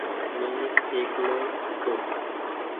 مينٚ اڪيلو هيتو